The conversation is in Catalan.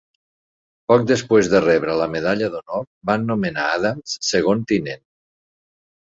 Poc després de rebre la Medalla d'Honor, van nomenar Adams segon tinent.